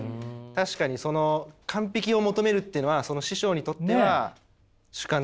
確かにその完璧を求めるっていうのは師匠にとっては主観だった。